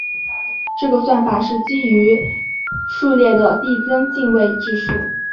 这个算法是基于序列的递增进位制数。